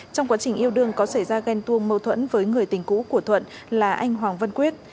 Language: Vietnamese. trong quá trình yêu đương có xảy ra ghen tuông mâu thuẫn với người tình cũ của thuận là anh hoàng văn quyết